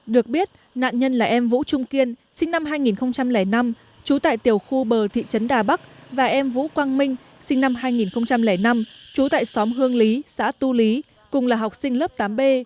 được biết nạn nhân là em vũ trung kiên sinh năm hai nghìn năm trú tại tiểu khu bờ thị trấn đà bắc và em vũ quang minh sinh năm hai nghìn năm trú tại xóm hương lý xã tu lý cùng là học sinh lớp tám b